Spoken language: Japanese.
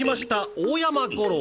大山吾郎！